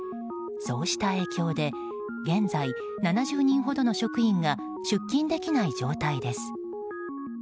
そうした影響で現在、７０人ほどの職員が出勤できない状態です。